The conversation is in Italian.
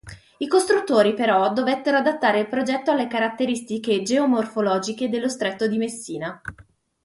I costruttori, però, dovettero adattare il progetto alle caratteristiche geomorfologiche dello Stretto di Messina.